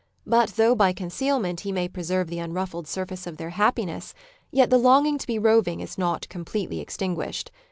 But though by concealment he may preserve the unruffled surface of their happi ness, yet the longing to be roving is not completely extmguished.